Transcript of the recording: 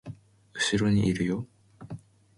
後ろにいるよ